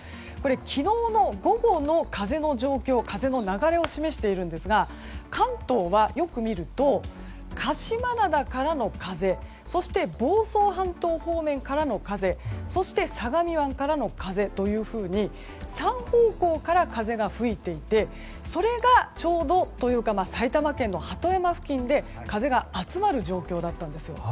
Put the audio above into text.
昨日の午後の風の状況風の流れを示しているんですが関東はよく見ると鹿島灘からの風そして、房総半島方面からの風そして相模湾からの風というふうに３方向から風が吹いていてそれがちょうどというか埼玉県の鳩山付近で風が集まる状況だったんです。